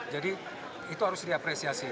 jadi itu harus diapresiasi